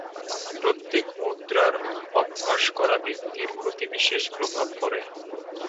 প্রত্যেক মুদ্রার অভ্যাস করা ব্যক্তির প্রতি বিশেষ প্রভাব পড়ে।